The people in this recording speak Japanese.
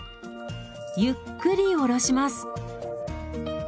ゆっくり下ろします。